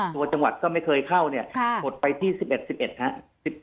ตัวจังหวัดก็ไม่เคยเข้าเนี่ยค่ะหดไปที่สิบเอ็ดสิบเอ็ดฮะสิบ